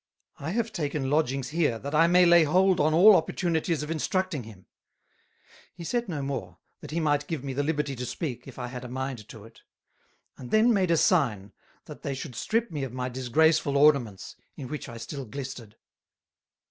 I have taken Lodgings here, that I may lay hold on all Opportunities of Instructing him:" He said no more, that he might give me the Liberty to speak, if I had a mind to it; and then made a sign, that they should strip me of my disgraceful Ornaments, in which I still glistered.